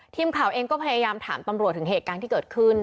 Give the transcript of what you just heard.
ทีมข่าวเองก็พยายามถามตำรวจถึงเหตุการณ์ที่เกิดขึ้น